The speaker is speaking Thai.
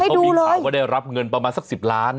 เขามีข่าวว่าได้รับเงินประมาณสัก๑๐ล้าน